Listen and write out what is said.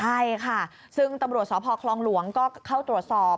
ใช่ค่ะซึ่งตำรวจสพคลองหลวงก็เข้าตรวจสอบ